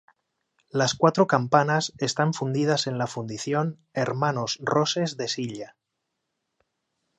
Las cuatro campanas están fundidas en la Fundición Hermanos Roses de Silla.